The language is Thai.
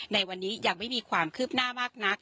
ในวันนี้ยังไม่มีความคืบหน้ามากนัก